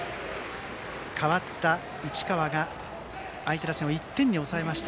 代わった市川が相手打線を１点に抑えました。